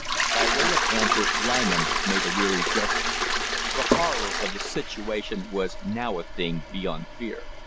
By way of answer Langham made a weary gesture. The horror of the situation was now a thing beyond fear.